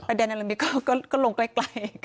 ไปแดนเนลามิตรก็ลงไกล